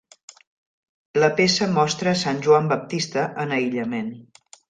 La peça mostra a Sant Joan Baptista en aïllament.